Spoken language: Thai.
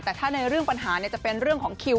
แต่ถ้าในเรื่องปัญหาจะเป็นเรื่องของคิว